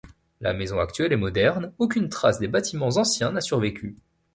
La maison actuelle est moderne, aucune trace des bâtiments anciens n'a survécu.